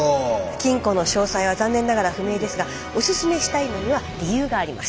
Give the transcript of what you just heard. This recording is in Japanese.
金庫の詳細は残念ながら不明ですがおすすめしたいのには理由があります。